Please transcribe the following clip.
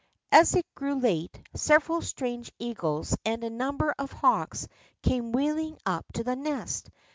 As it grew late, several strange eagles and a number of hawks came wheeling up to the nest.